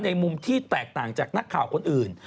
มุมที่แตกต่างจากนักข่าวคนอื่น